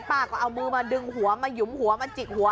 ป้าก็เอามือมาดึงหัวมาหยุมหัวมาจิกหัว